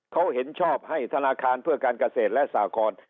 เขาเห็นชอบให้ธนาคารเพื่อการเกษตรและสากร